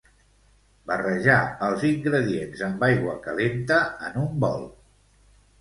Barrejar els ingredients amb aigua calenta en un bol.